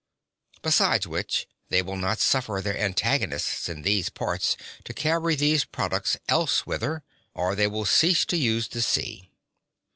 Besides which they will not suffer their antagonists in those parts (14) to carry these products elsewhither, or they will cease to use the sea.